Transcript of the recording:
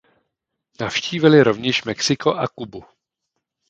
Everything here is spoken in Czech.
Navštívili rovněž Mexiko a Kubu.